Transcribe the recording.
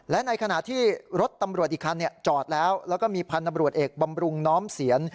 และในขณะที่รถตำรวจอีกคันจอดแล้วแล้วก็มีพันธบรวจเอกบำรุงน้อมเสียน